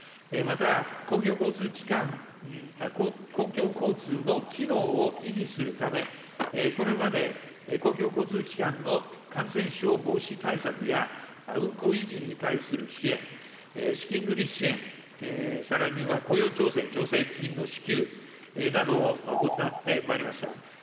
また、公共交通の機能を維持するため、これまで、公共交通機関の感染症防止対策や、運行維持に対する支援、資金繰り支援、さらには、雇用調整助成金の支給などを行ってまいりました。